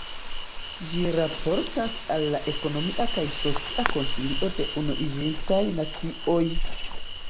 Ĝi raportas al la Ekonomia kaj Socia Konsilio de Unuiĝintaj Nacioj.